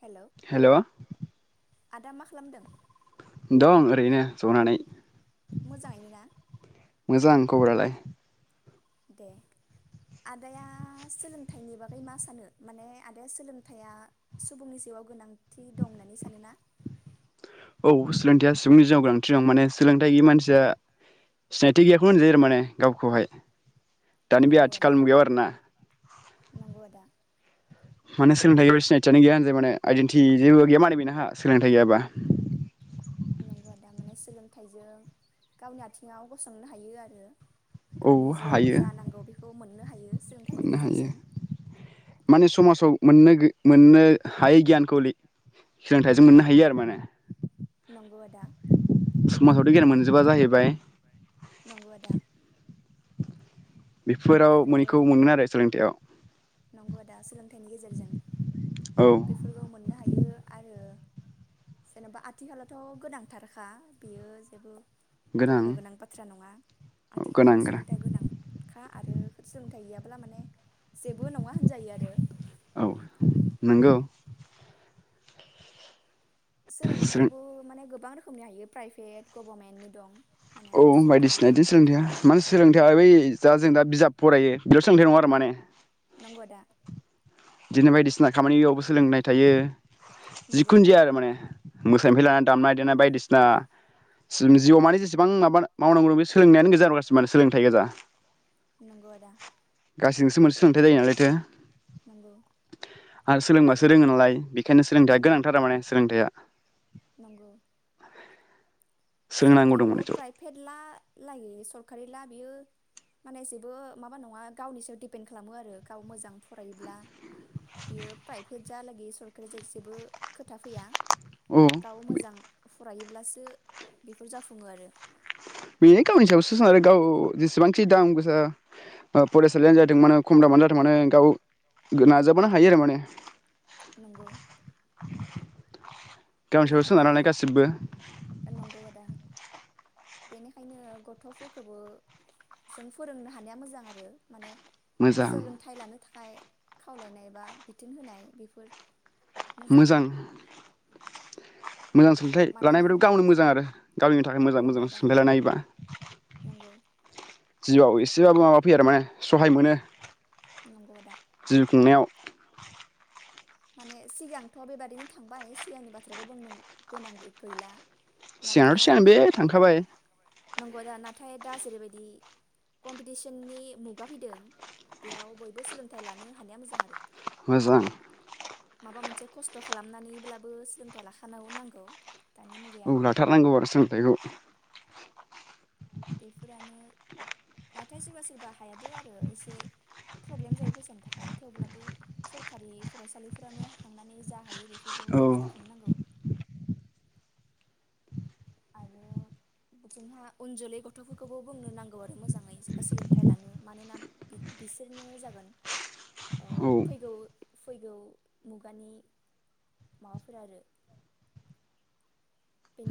हेल' hello आदा मा खालामदों? दं ओरैनो संनानै मोजाङैनो ना मोजां खबरालाय। दे आदाया सोलोंथाइनि बागै मा सानो माने आदाया सोलोंथाइया सुबुंनि जिउआव गोनांथि दं होननानै सानोना? औ सोलोंथायाइया सुबुंनि जिवयाव गोनांथि दं। माने सोलोंथाइ गैयि मानसिया सिनायथि गैयाखौनो होनजायो आरो माने गावखौहाय। दानि बे नंगौ आदा आथिखाल मुगायाव आरोना। नंगौ आदा माने सोलोंथाइ गैयाबा सिनायथिआानो गैया होन जायो माने आइडेन्टि जेबो गैया मानै बेहा सोलोंथाइ गैयाबा। नंगौ आदा माने सोलोंथाइजों गावनि आथिङाव गसंथानो हायो आरो। औ गावनि जिउआव हायो जा नांगौ बेखौ मोननो हायो सोलोंथाइनि मोननो हायो गेजेरजों। माने समाजाव मोननो मोननो हायि गियानखौ सोलोंथाइजों मोननो हायो आरो माने। नंगौ आदा। समाजावथ' गियान मोनजोबा जाहैबाय। नंगौ आदा। बेफोराव आरो मोनैखौ मोनगोन आरो सोलोंथायाव। नंगौ आदा सोलोंथाइनि गेजेरजों औ बेफोरखौ मोननो हायो आरो। जेन'बा आथिखलाथ' गोनांथारखा बियो जेबो बुंनो गोनां बाथ्रा नङा औ आथिखालाव गोनां गोनां सोलोंथायाइया गोनांखा आरो। गैयाब्ला माने जेब बेबो नङा होनजायो आरो। औ नंगौ। सोलों सोलोंथाइखौबो माने गोबां रोखोम खोमनो हायो प्राइभेट गभारमेन्तनि दं। माने औ सरकारि बायदिसिना बिदिनो सोलोंथायया प्राइभेट माने सोलोंथाया बे दा जों दा बिजाब फरायो बेल' सोलोंथाइ नङा आरो माने। नंगौ आदा। बिदिनो बायदिसिना खामानियावबो सोलोंनाय थायो। नंगौ जिखुन जाया आरो माने मोसानायफ्राय लानानै दामनाय देनाय बायदिसिना जिउ मानि जेसेबां माबा मावनांगौ दं बे सोलोंनायानो गोजा माने सोलोंथाइ गोजा। नंगौ आदा। गासैजोंसो मोनसे सोलोंथाइ जायो नालायथो नंगौ। आरो सोलोंबासो रोङो नालाय बेखायनो सोलोंथायाइया नंगौ गोनांथार आरो माने सोलोंथायाइया। नंगौ सोलोंथाइखौ प्राइभेट ला लागै सरकारि ना बियो माने जेबो माबा नङा गावनि सायाव दिपेन खालामो आरो गाव मोजां फरायोब्ला बियो प्राइभेट जालागै सरकारा जेबो खोथा फैया औ गाव मोजां फरायोब्लासो। बेफोर जाफुङो आरो। बेनो गावनि सायावसो सोनारो आरो गाव जेसेबांखि दाम गोसा फरायसालियानो जाथों मानो खम दामानो जाथों माने गाव नाजाबानो हायो आरो माने। नंगौ गावनि सायाव बेनिखायनो सोनारनानै गासिबो नंगौ आदा बेनिखायनो गथ'फोरखौबो जों फोरोंनो हानाया मोजां आरो। माने मोजां सोलोंथाइ लानो थाखाय खावलायनाय बा बिथोन होनाय बेफोर मोजां। मोजां सोलोंथाइ मानोना लानायबो गावनो मोजां आरो गावनि थाखाय मोजां नंगौ मोजां दा सोलोंथाइ लानाययाबो नंगौ जिउआव एसेबाबो माबा फैयो आरो माने सहाय मोनो। नंगौ दा। जिउ खुंनायाव माने सिगांथ' बेबादिनो थांबाय सिगांनि बाथ्राखौ बुंनो गोनां गैला। सिगां नाथाय सिगांथ बे थांखाबाय। नंगौ दा नाथाय दा जेरैबायदि कम्पिटिसननि मुगा फैदों बेयाव बयबो सोलोंथाइ लानो हानाया मोजां आरो। मोजां। माबा मोनसे खस्थ' खालामनानैब्लाबो सोलोंथाइ लाखानो नांगोन। औ लाथारनांगौ आरो सोंथायाइखौ। बेफोरानो नाथाय सोरबा सोरबा हायाबो आरो एसे प्रब्लेम जायो फैसानि थाखाय थेवब्लाबो सरखारि फरायसालिफोरावनो थांनानै जा हायो बेफोरखौ औ बेब'स्था खालामनांगौ। आरो जोंहा उन जोलै गथ'फोरखौबो बुंनो नांगौ आरो मोजाङै जेनबा सोलोंथाइ लानो मानोना बिसोरनो जागोन औ फैगौ फैगौ मुगानि माबाफोर आरो।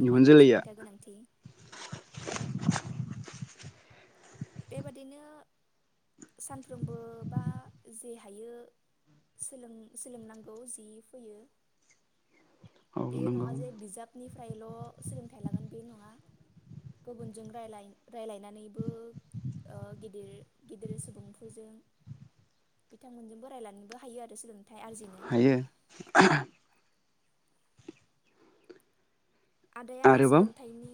इयुन जोलैया सोलोंथायआ गोनांथि। बेबादिनो सानफ्रोमबो बा जे हायो सोलोंनांगौ जि फैयो औ बे नंगौ नङा जे बिजाबनिफ्रायल' सोलोंथाइ लागोन बे नङा गुबुनजों रायलाय रायलायनानैबो। ओ गिदिर गिदिर सुबुंफोरजों बिथांमोनजोंबो रायलायनोबो हायो आरो सोलोंथाइ आरजिनो। हायो आदाया आरोबाव सोलोंथाइनि।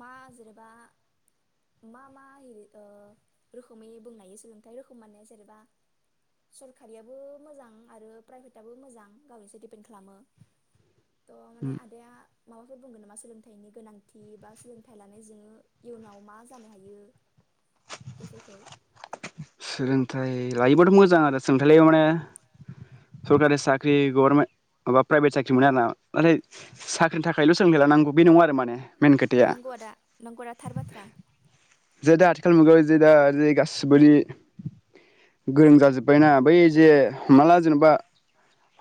मा जेनेबा मा मा रोखोमै बुंनो हायो सोलोंथायाइ रोखोम माने जेनेबा सरखारियाबो मोजां आरो प्राइभेटआबो मोजां गावनि दिपेनद खालामो थ' माने ओ आदाया। माबाफोर बुंगोन नामा? सोलोंथाइनि गोनांथि बा सोलोंथाइ लानायजों जोङो इयुनाव मा जानो हायो बेफोरखौ। सोलोंथाइ लायोबाथ' मोजां आरो सोलोंथाइ आव माने सरखारि साख्रि गभर्नमेन्ट माबा प्राइभेट साख्रि मोनो आरोना नाथाय साख्रिनि थाखायल' सोलोंथाइ लानांगौ बे नङा आरो माने। मेन खोथाया नंगौ आदा नों बुंनाया थार बाथ्रा। जे दा आथिखाल मुगायाव जे दा जे गासिबोदि। गोरों जाजोब्बायना बै जे माला जेनेबा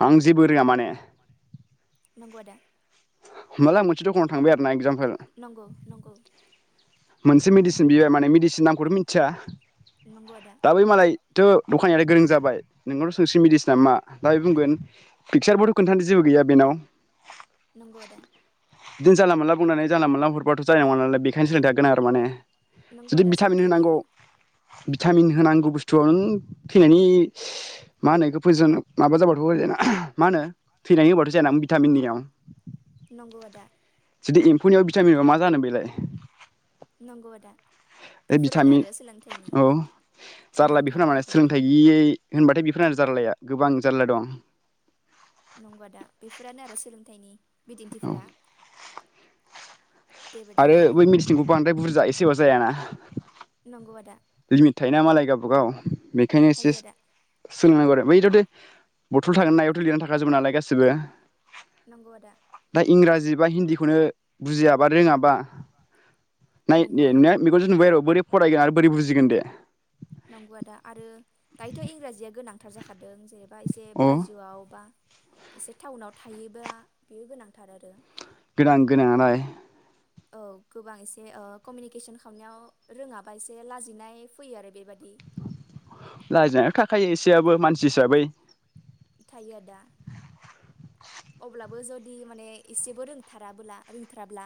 आं जेबो रोङा माने। नंगौ आदा। होमबालाय आं मोनसे दखानाव थांबाय आरो ना एक्जाम। नंगौ नंगौ। मोनसे मेडिसिन बियो माने मेडिसिननि नामखौथ' मिथिया। नंगौ आदा। दाथ दखानानियाबो गोरों जाबाय नोंनावसो सोंनिसै मिदिसिना मा बेनिफ्राय बुंगोन पिकसारबोथ' खोन्थानो जेबो गैया बेनाव। नंगौ‌ आदा। बिदिनो जानला मोनला बुंनानै जानला मोनला हरबाथ' जानाय नङा नालाय बेनिखायसो खोनथादों। बेखौनो आरो माने। नंगौ जुदि आदा भिटामिन सैथो होनांगौ बेयो। भिटामिन होनांगौ बुस्थुआव नों, थैनायनि मा होनो फैजन माबा जाबाथ' हो मा होनो थैनायनि होबाथ' जाया ना भिटामिननियाव। नंगौ आदा। जुदि एम्फौनियाव भिटामिन ब मा जानो बेलाय? नंगौ आदा। बे बेफोरानो भिटामिन आरो सोलोंथाइनि औ जारला गोनांथार बेखौनो माने आखु सोलोंथाइ गैयै। होनबाथाय बेफोरनो जारलाया गोबां जारला दं। नंगा दा बेफोरानो आरो सोलोंथाइनि। औ बिदिन्थिफोरा। आरो बेबायदिनो बै मेडिसिनखौ बांद्राय बुरजा एसे। सिवसायना नंगौ आदा। थायोना मालाय गावबा गाव। बेखायनो एसे थायो से आदा सोलोंनांगौ आरो बैथ'थे बथल थागोन ना एथल लिरना थाखाजोबो नालाय गासिबो नंगौ आदा दा इंराजि बा हिन्दीखौनो बुजिया बा रोङा [unintelligible] नंगौ फरायगोन आरो बोरै बुजिगोन दे नंगौ आदा आरो दायोथ' इंराजिया गोनां थार जाखादों जे बा एसे अ बायजोआवबा एसे टाउनाव थायोब्ला बेयो गोनांथार आरो गोनां गोनांआलाय औ गोबां एसे ओ कमिउनिकेसन खालामनायाव रोङाबा एसे लाजिनाय फैयो आरो बेबायाद लायजानायाथ' थाखायो एसेयाबो मानसि हिसाबै थायो आदा अब्लाबो जुदि माने एसेबो रोंथाराबोला रोंथाराब्ला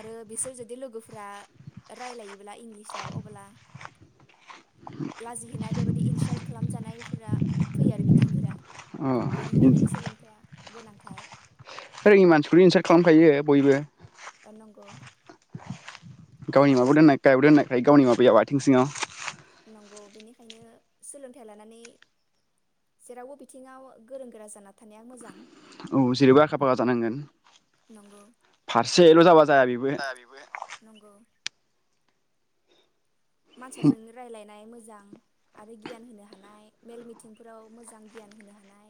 आरो बिसोर जुदि लोगोफोरा रायलायोब्ला इंलिसाव अबोला लाजिहैनाय बेबायदि इनसल्ट खालामजानायफोरा फै आरो बिथिंफोरा ओ बेनिखायनो सोलोंथाइया गोनांथार ओय मानसिफोरा इनसार्ट खालामखायो बयबो ओ नंगौ गावनि माबो दोननायखाय दोननायखाय गावनि माबायाव आथिं सिङाव नंगौ बेनिखायनो सोलोंथाइ लानानै जेरावबो बिथिङाव गोरों गोरा जाना थानाया मोजां। औ जेरैबो आखा फाखा जानांगोन नंगौ फारसेल' जाबा जाया बेबो नंगौ मानसिजों रायलायनाय मोज मोजां आरो गियान होनो हानाय मेल मिथिंफोराव मोजां गियान होनो हानाय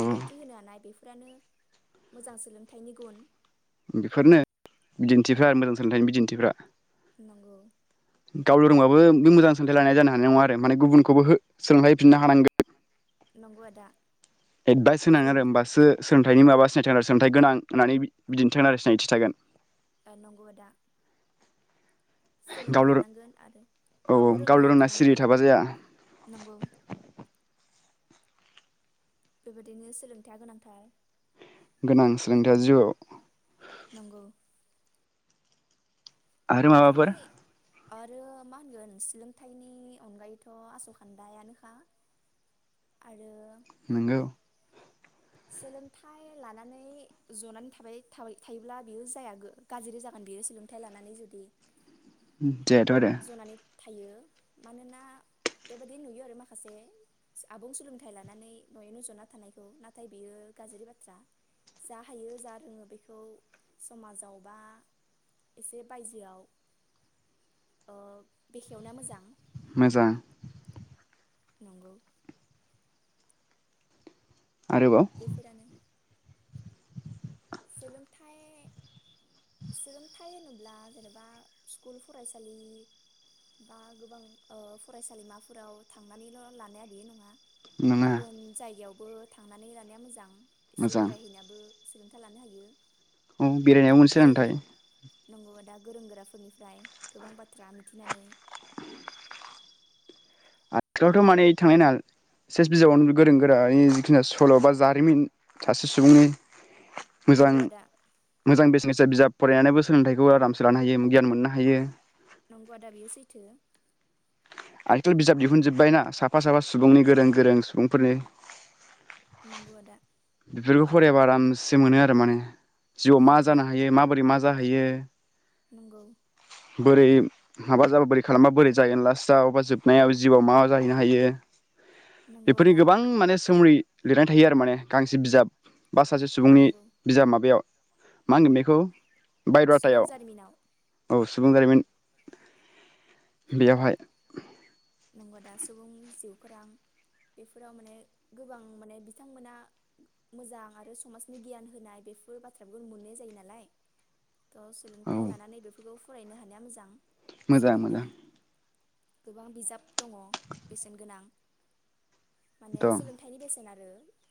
औ बिबुंथि होनो हानाय बेफो फ्रानो मोजां सोलोंथाइनि गुन बेफोरनो बिदिन्थिफ्रा मोजां सोलोंथाइनि बिदिन्थिफ्रा नंगौ गाव लोरोंबाबो नों मोजां सोलोंथाइ लानाय जानो हानाय नङा आरो माने गुबुनखौबो सोलोंलाय फिननो हानांगोन नंगौ आदा एडभाइस होनां होफिन आरो होनबासो थायनि माबा [unintelligible] गोनां होननानै बिदिनि थागोन आरो सिनायथि थागोन नंगौदा सोलोंनो गावल' औ हानांगोन आरो औ गावबो गावल' रोंना सिरि थानांगौ थाबा जाया नंगौ। बेबायदिनो सोलोंथाया गोनांथार। गोनां सोलोंथाया जिवाव। नंगौ आरो माबाफोर? नि आरो मा होनगोन सोलोंथाइनि अनगायैथ' आस'खान्दायानोखा आरो नंगौ सोलोंथाइ लानानै जनानै थाबाय थाबाय थायोब्ला बियो जाया गा-गाज्रि जागोन बियो सोलोंथायाइ लानानै जुदि जायाथ आरो। जनानै थायो मानोना बेबायाददि नुयो आरो माखासे आबुं सोलोंथाइ लानानै न'यैनो जना थानायखौ ना? थाय बेयो गाज्रि बाथ्रा जा हायो जा रोङो बेखौ समाजाव बा एसे बायजोआव ओ- बेखेवना मोजां। मोजां नंगौ आरोबाव बेफोरानो सोलोंथाइ सोलोंथा थाय होनोब्ला जेनेबा स्कुल फरायसालि बा गोबां ओ- फरायसालिमाफोराव थांनानैल' लानाया बे नङा। नङा गुबुन जायगायाव बो थांनानै लानाया मोजां। एसे मोजां बेरायहैनाबो। [inaudible] लानो हायो। औ बेरायनायाव मोनसे गोरों गो सोलोंथाय। नंगौ आदा गोरों गोराफोरनिफ्राय गोबां बाथ्रा मिथिनानै। आथिलावथ' माने थांनाय ना सेस बिजाबावनो गोरों गोरानि जिखि सल' बा जारिमिन सासे सुबुंनि। मोजां नंगौ आदा मोजां बिजनेस जाय बिजाब फरायनानैबो सोलोंथाइखौ आरामसे लानो हायो गियान मोननो हायो। नंगौ आदा बेयो सैथो। आनथ' बिजाब दिहुनजोब्बायना साफा साफा सुबुंनि गोरों गोरों सुबुंफोरनि। नोंगौ आदा। बेफोरखौ फरायाबा आरामसे मोनो आरो माने। जिउआव मा नंगौ जानो हायो माबोरै मा जाहैयो? नंगौ बोरै माबा जाबा बोरै खालामबा बोरै जाहैगोन लास सावो बा जोबनायाव जिउआव मा जाहैनो हायो? नंगौ बेफोरनि आदा गोबां माने सोमरि लिरनाय थायो आरो माने गांसे बिजाब बा सासे सुबुंनि नंगौ बिजाब माबायाव। मा होनगोन बेखौ सुबुं बायदाथायाव जारिमिनाव औ सुबुं जारिमिन बेयावहाय नंगौ आदा सुबुं जिउ खौरां बेफोराव माने गोबां माने बिथांमोना मोजां आरो समाजनि गियान होनाय बेफोर बाथ्राफोरखौ मोननाय जायो नालाय। थ' औ सोलोंथाइ लानानै बेफोरखौ फरायनो हानाया मोजां मोजां सोलोंनाया मोजां। गोबां बिजाब दङ बेसेन गोनां माने दं सोलोंथाइनि बेसेना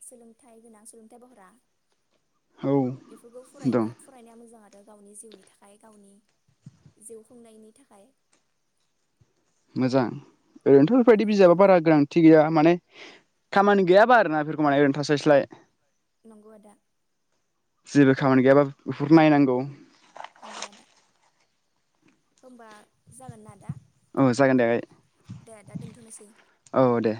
सोलोंथाइ गोनां सोलोंथाइ बहरा औ बेफोरखौ दं फरायनो फरायनाया मोजां आरो। आरो गावनि जिउनि थाखाय गावनि जिउ खुंनायनि थाखाय मोजां। ओरैनोथ' बेफोरबायदि नंगौ बिजाबा बारा गोनांथि गैया माने खामानि गैयाबा आरोना बेफोरखौ माने ओरैनो थास्लायस्लाय नंगौ आदा। जेबो खामानि गैयाबा बेफोर नायनांगौ। नंगौ आदा होमबा जागोन ना आदा। औ जागोन दे आगै दे आदा दोनथ'नोसै औ दे।